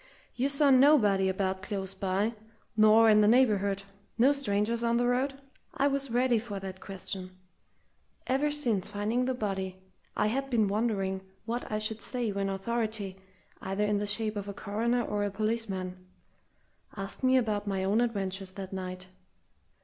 "You saw nobody about close by nor in the neighbourhood no strangers on the road?" I was ready for that question. Ever since finding the body, I had been wondering what I should say when authority, either in the shape of a coroner or a policeman, asked me about my own adventures that night.